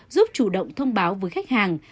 giúp chủ động thông báo với khách hàng